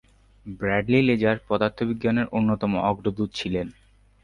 Bradley laser পদার্থবিজ্ঞানের অন্যতম অগ্রদূত ছিলেন।